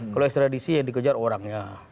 kalau ekstradisi yang dikejar orang